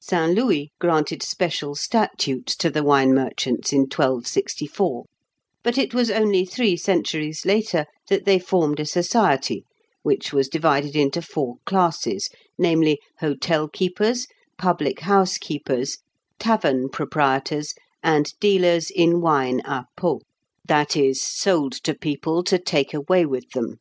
Saint Louis granted special statutes to the wine merchants in 1264; but it was only three centuries later that they formed a society, which was divided into four classes, namely, hotel keepers, publichouse keepers, tavern proprietors, and dealers in wine à pot, that is, sold to people to take away with them.